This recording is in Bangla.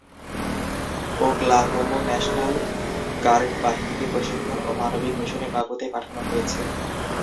ওকলাহোমা ন্যাশনাল গার্ড বাহিনীকে প্রশিক্ষণ ও মানবিক মিশনে বাকুতে পাঠানো হয়েছে।